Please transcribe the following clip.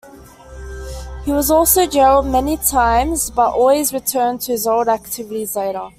He was also jailed many times but always returned to his old activities later.